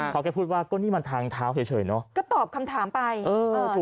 เขาแค่พูดว่าก็นี่มันทางเท้าเฉยเฉยเนอะก็ตอบคำถามไปเออถูก